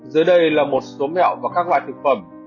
dưới đây là một số mẹo và các loại thực phẩm